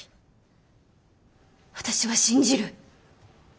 私は信じる。